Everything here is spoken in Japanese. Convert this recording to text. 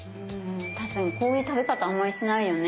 確かにこういう食べ方あんまりしないよね。